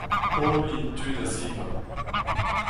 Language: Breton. Holl int tud a-zibab.